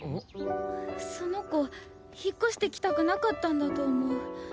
その子引っ越してきたくなかったんだと思う。